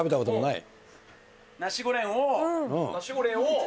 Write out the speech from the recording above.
ナシゴレンを。